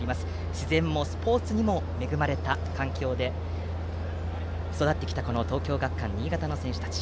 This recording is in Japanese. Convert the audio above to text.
自然もスポーツにも恵まれた環境で育ってきた東京学館新潟の選手たち。